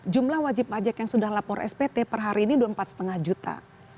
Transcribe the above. jumlah wajib pajak yang sudah lapor spt per hari ini sudah empat lima juta